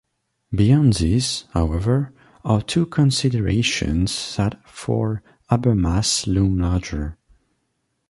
Beyond this, however, are two considerations that for Habermas loom larger.